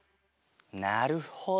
なるほど！